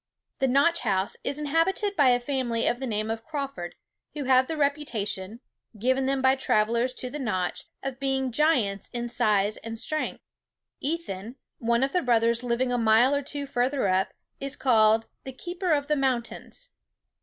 The Notch house is inhabited by a family of the name of Crawford, who have the reputation, given them by travellers to the Notch, of being giants in size and strength. Ethan, one of the brothers living a mile or two further up, is called the "Keeper of the Mountains."